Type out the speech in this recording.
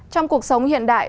trong cuộc sống hiện đại